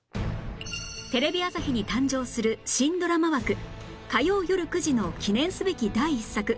テレビ朝日に誕生する新ドラマ枠火曜よる９時の記念すべき第１作